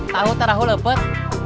tahu terahu lepet